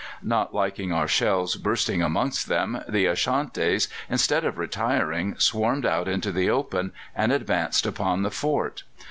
Not liking our shells bursting amongst them, the Ashantis, instead of retiring, swarmed out into the open, and advanced upon the fort.